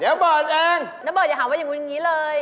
เดี๋ยวเบิร์ตเองแบบนี้นะเบิร์ตอยากหาว่าอย่างนี้เลย